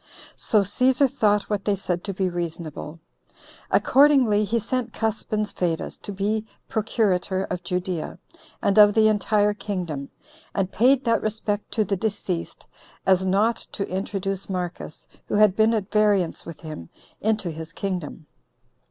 So Cæsar thought what they said to be reasonable. Accordingly he sent Cuspins Fadus to be procurator of Judea, and of the entire kingdom, and paid that respect to the deceased as not to introduce Marcus, who had been at variance with him, into his kingdom.